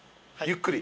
ゆっくり？